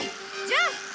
じゃあ！